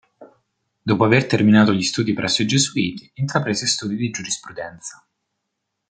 Dopo aver terminato gli studi presso i Gesuiti, intraprese studi di giurisprudenza.